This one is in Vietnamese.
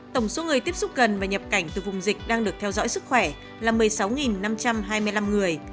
tổng số người tiếp xúc gần và nhập cảnh từ vùng dịch đang được theo dõi sức khỏe là một mươi sáu năm trăm hai mươi năm người